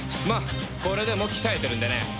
まあこれでも鍛えてるんでね。